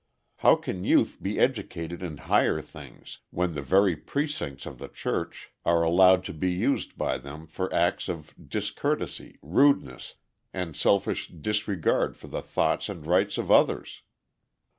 How can youth be educated in higher things when the very precincts of the church are allowed to be used by them for acts of discourtesy, rudeness, and selfish disregard for the thoughts and rights of others?